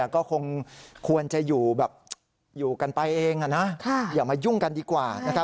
ก็คงควรจะอยู่กันไปเองอย่ามายุ่งกันดีกว่า